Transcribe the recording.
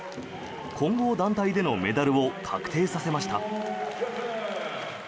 混合団体でのメダルを確定させました。